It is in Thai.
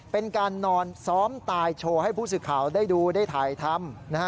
เป็นการนอนซ้อมตายโชว์ให้ผู้สื่อข่าวได้ดูได้ถ่ายทำ